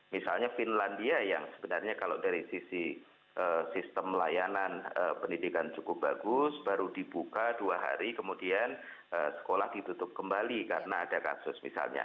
misalnya finlandia yang sebenarnya kalau dari sisi sistem layanan pendidikan cukup bagus baru dibuka dua hari kemudian sekolah ditutup kembali karena ada kasus misalnya